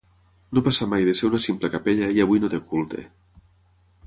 No passà mai de ser una simple capella i avui no té culte.